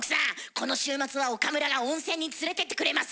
この週末は岡村が温泉に連れてってくれます！